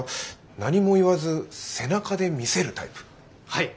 はい。